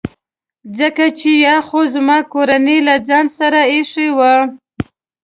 ځکه چي یا خو زما کورنۍ له ځان سره ایښي وو.